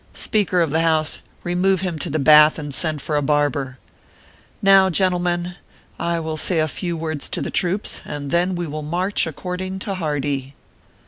Speaker of the House, remove him to the bath and send for a barber. Now, gentle men, I will say a few words to the troops, and then we will march according to Hardee."